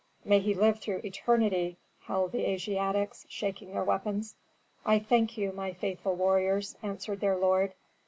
"May he live through eternity!" howled the Asiatics, shaking their weapons. "I thank you, my faithful warriors," answered their lord.